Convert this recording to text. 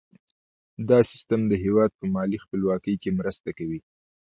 دا سیستم د هیواد په مالي خپلواکۍ کې مرسته کوي.